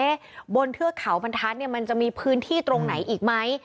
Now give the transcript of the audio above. บนเทือกเขาบรรทัศน์เนี่ยมันจะมีพื้นที่ตรงไหนอีกไหม